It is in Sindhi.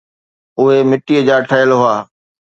اهي مٽيءَ جا ٺهيل هئا.